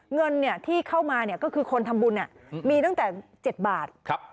เงินที่เข้ามาก็คือคนทำบุญมีตั้งแต่๗บาท